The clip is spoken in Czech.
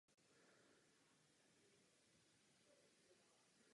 Sportovní kariéru ukončil v polovině devadesátých let dvacátého století.